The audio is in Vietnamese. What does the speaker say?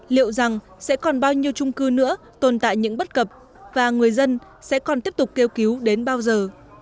liệu rằng sẽ còn bao nhiêu trung cư nữa tồn tại những bất cập và người dân sẽ còn tiếp tục kêu cứu đến bao giờ